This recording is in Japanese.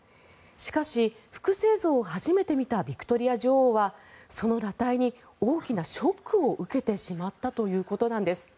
しかし、複製像を初めて見たビクトリア女王はその裸体に大きなショックを受けてしまったということなんです。